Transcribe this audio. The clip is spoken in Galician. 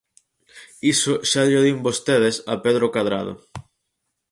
Iso xa llo din vostedes a Pedro Cadrado.